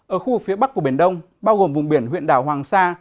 ở khu vực phía bắc của biển đông bao gồm vùng biển huyện đảo hoàng sa